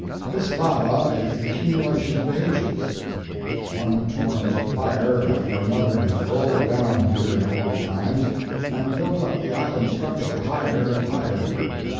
This lava is the accumulation of ages; one torrent of fire after another has rolled down here in old times, and built up the island structure higher and higher.